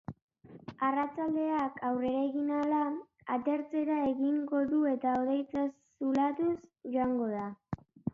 Arratsaldeak aurrera egin ahala, atertzera egingo du eta hodeitza zulatuz joango da.